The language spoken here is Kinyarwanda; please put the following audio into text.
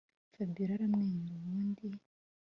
fabiora aramwenyura ubundi